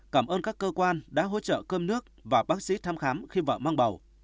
cảm ơn các cơ quan đã hỗ trợ cơm nước và bác sĩ thăm khám khi vợ mang bầu